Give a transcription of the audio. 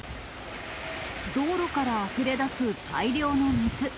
道路からあふれ出す大量の水。